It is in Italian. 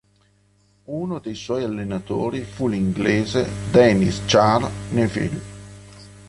Uno dei suoi allenatori fu l'inglese Denis Charles Neville.